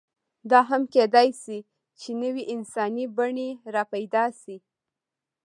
دا هم کېدی شي، چې نوې انساني بڼې راپیدا شي.